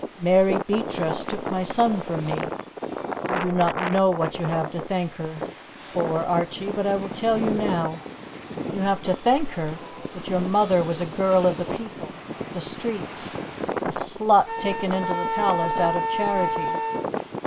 Mary Beatrice took my son from me. You do not know what you have to thank her for, Archie, but I will tell you now! You have to thank her that your mother was a girl of the people of the streets a slut taken into the palace out of charity.